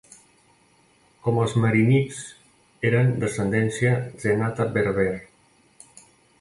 Com els Marinids, eren d'ascendència Zenata Berber.